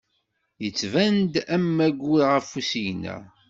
Yettban-d am aggur ɣef usigna.